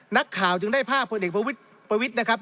นักข่าวจึงได้ภาพพลเอกประวิทย์นะครับ